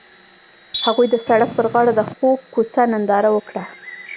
هغوی د سړک پر غاړه د خوږ کوڅه ننداره وکړه.